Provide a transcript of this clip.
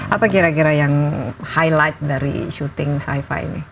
apa kira kira yang highlight dari shooting sci fi ini